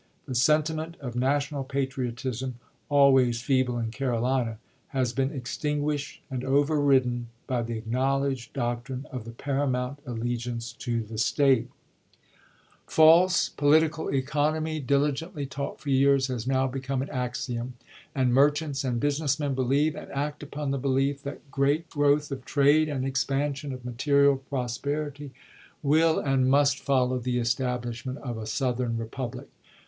The sentiment of national patriotism, always feeble in Carolina, has been extinguished and overridden by the acknowledged doctrine of the paramount allegiance to the State. False 392 ABRAHAM LINCOLN ch. xxiii. political economy diligently taught for years has now be come an axiom, and merchants and business men believe, and act upon the belief, that great growth of trade and expansion of material prosperity will and must follow the establishment of a Southern republic.